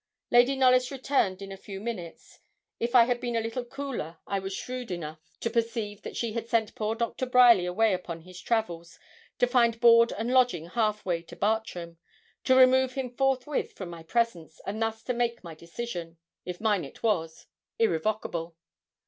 Lady Knollys returned in a few minutes. If I had been a little cooler I was shrewd enough to perceive that she had sent poor Doctor Bryerly away upon his travels, to find board and lodging half way to Bartram, to remove him forthwith from my presence, and thus to make my decision if mine it was irrevocable.